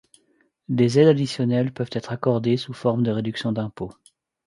Des aides additionnelles peuvent être accordées sous forme de réduction d’impôts.